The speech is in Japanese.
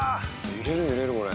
◆揺れる揺れる、これ。